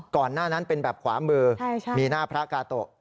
ก่อนหน้านั้นเป็นแบบขวามือมีหน้าพระกาโตะ